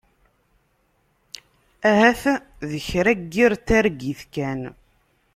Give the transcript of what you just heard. Ahat d kra n yir targit kan.